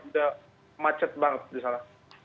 udah macet banget di sana